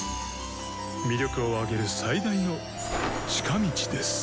魅力を上げる最大の近道です。